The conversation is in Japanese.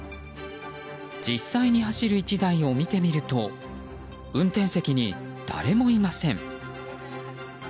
実際に走る１台を見てみると運転席に誰もいません。